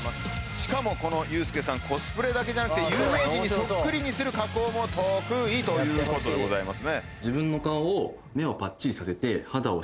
しかもこのゆうすけさんコスプレだけじゃなくて有名人にそっくりにする加工も得意ということでございますね